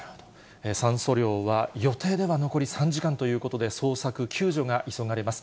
酸素量は予定では残り３時間ということで、捜索、救助が急がれます。